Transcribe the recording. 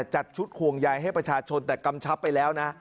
จัดชุดห่วงใยให้ประชาชนแต่กำชับไปแล้วนะ